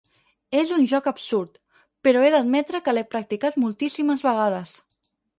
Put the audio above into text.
És un joc absurd, però he d'admetre que l'he practicat moltíssimes vegades.